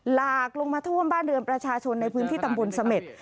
หลากลงมาท่วมบ้านเรือนประชาชนในพื้นที่ตำบลเสม็ด